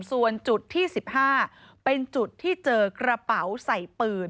ส่วนจุดที่๑๕เป็นจุดที่เจอกระเป๋าใส่ปืน